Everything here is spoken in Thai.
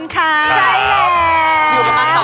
อยู่กันมาสองวันแล้วนะ